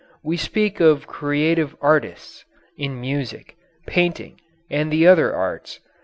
We speak of creative "artists" in music, painting, and the other arts.